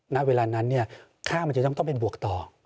ณเวลานั้นค่ามันจะต้องเป็นบวกต่อ